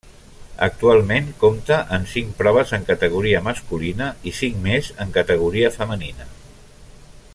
Actualment compta amb cinc proves en categoria masculina i cinc més en categoria femenina.